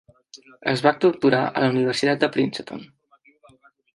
Es va doctorar a la universitat de Princeton.